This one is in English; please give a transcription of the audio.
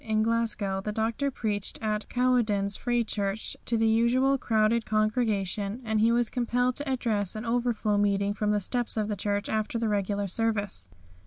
In Glasgow the Doctor preached at the Cowcaddens Free Church to the usual crowded congregation, and he was compelled to address an overflow meeting from the steps of the church after the regular service.